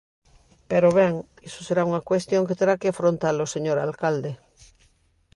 Pero, ben, iso será unha cuestión que terá que afrontar o señor alcalde.